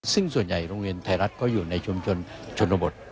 ซึ่งส่วนใหญ่โรงเรียนไทยรัฐก็อยู่ในชุมชนชนบท